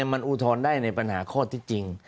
มันอุทธรณ์ได้ในปัญหาข้อที่จริง